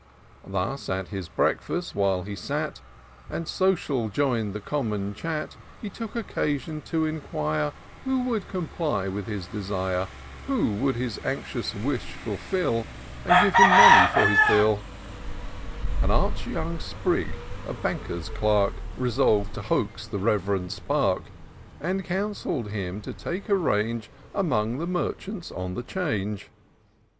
Thus, at his breakfast, while he sat, And social join'd the common chat. He took occasion to inquire Who would comply with his desire. Who would his anxious wish fulfil. And give him money for his bill. IN SEARCH OF THE PICTURESQUE. 217 An arch young sprig, a banker's clerk, Resolv'd to hoax the rev'rend spark. And counselled him to take a range Among the Merchants on the 'Change.